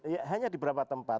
ya hanya di beberapa tempat